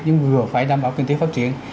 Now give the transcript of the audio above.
nhưng vừa phải đảm bảo kinh tế phát triển